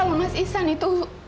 kalau mas isan itu